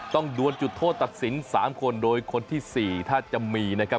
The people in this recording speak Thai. ดวนจุดโทษตัดสิน๓คนโดยคนที่๔ถ้าจะมีนะครับ